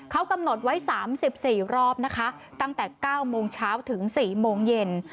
เขากำหนดไว้๓๔รอบนะคะตั้งแต่๙โมงเช้าถึง๔โมงเย็น